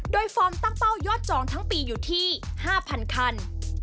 โดยฟอร์มตั้งเป้ายอดจองทั้งปีอยู่ที่๕๐๐คัน